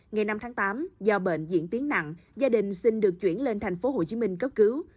ngày năm tháng tám do bệnh diễn tiến nặng gia đình xin được chuyển lên tp hcm cấp cứu